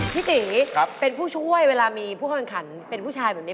พี่ตี๋เป็นผู้ช่วยเวลามีผู้ค่อนขันเป็นผู้ชายแบบนี้